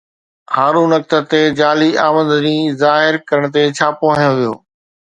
هارون اختر تي جعلي آمدني ظاهر ڪرڻ تي ڇاپو هنيو وڃي